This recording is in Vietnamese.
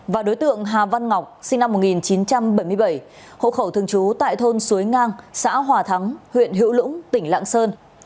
và đối tượng hà văn ngọc sinh năm một nghìn chín trăm bảy mươi bảy hộ khẩu thường trú tại thôn suối ngang xã hòa thắng huyện hữu lũng tỉnh lạng sơn